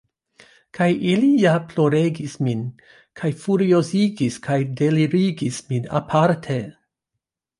Kaj ili ja ploregis min kaj furiozigis kaj delirigis min, aparte.